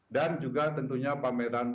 dan juga tentunya pameran